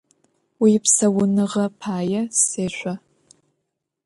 Vuipsaunığe paê sêşso!